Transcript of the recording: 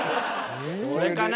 これかな。